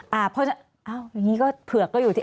เพราะฉะนั้นอย่างนี้ก็เผือกก็อยู่ที่